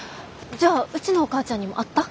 じゃあうちのお母ちゃんにも会った？